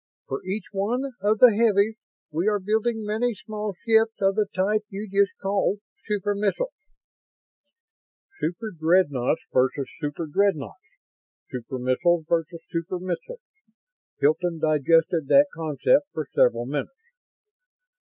For each one of the heavies, we are building many small ships of the type you just called 'super missiles'." "Superdreadnoughts versus superdreadnoughts, super missiles versus super missiles." Hilton digested that concept for several minutes.